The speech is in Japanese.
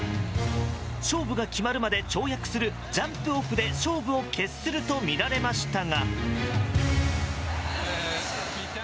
勝負が決まるまで跳躍するジャンプオフで勝負を決するとみられましたが。